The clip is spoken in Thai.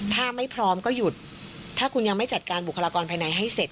ถ้าไม่พร้อมก็หยุดถ้าคุณยังไม่จัดการบุคลากรภายในให้เสร็จ